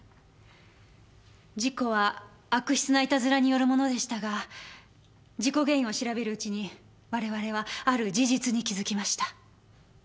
事故は悪質ないたずらによるものでしたが事故原因を調べるうちに我々はある事実に気づきました。